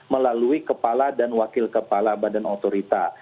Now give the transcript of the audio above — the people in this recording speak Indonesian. melalui kepala dan wakil kepala badan otorita